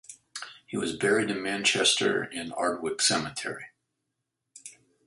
He was buried in Manchester in Ardwick cemetery.